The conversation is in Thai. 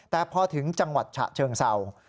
แต่พอถึงจังหวัดฉะเชิงเศร้า